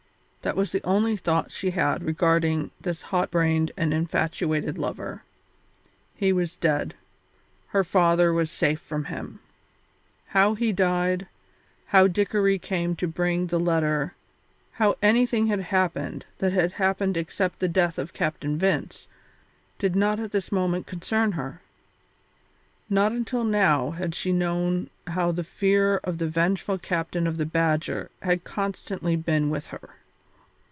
That was the only thought she had regarding this hot brained and infatuated lover. He was dead, her father was safe from him. How he died, how Dickory came to bring the letter, how anything had happened that had happened except the death of Captain Vince, did not at this moment concern her. Not until now had she known how the fear of the vengeful captain of the Badger had constantly been with her.